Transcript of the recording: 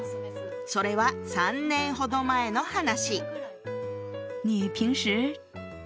それは３年ほど前の話。